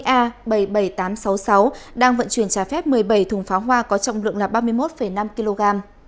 ba a bảy mươi bảy nghìn tám trăm sáu mươi sáu đang vận chuyển trái phép một mươi bảy thùng pháo hoa có trọng lượng là ba mươi một năm kg